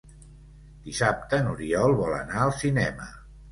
Dissabte n'Oriol vol anar al cinema.